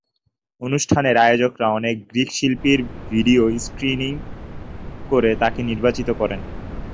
অনুষ্ঠানের আয়োজকরা অনেক গ্রিক শিল্পীর ভিডিও স্ক্রিনিং করে তাকে নির্বাচিত করেন।